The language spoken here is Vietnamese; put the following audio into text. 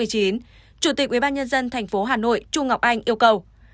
chủ tịch ubnd tp hà nội trung ngọc anh yêu cầu